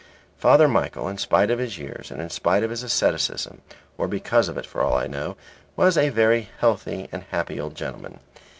Father Michael in spite of his years, and in spite of his asceticism (or because of it, for all I know), was a very healthy and happy old gentleman.